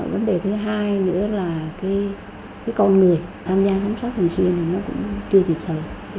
vấn đề thứ hai nữa là cái con người tham gia giám sát thường xuyên thì nó cũng chưa kịp thời